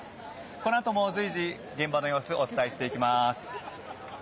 このあとも随時、現場の様子をお伝えしていきます。